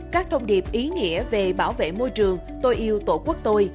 các thông điệp ý nghĩa về bảo vệ môi trường tôi yêu tổ quốc tôi